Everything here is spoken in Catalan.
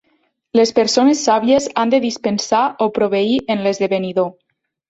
Les persones sàvies han de dispensar o proveir en l'esdevenidor.